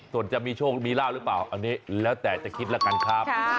ส่วนจะมีโชคมีลาบหรือเปล่าอันนี้แล้วแต่จะคิดแล้วกันครับ